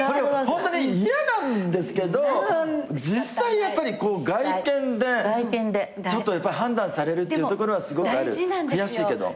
ホントに嫌なんですけど実際やっぱりこう外見で判断されるっていうところはすごくある悔しいけど。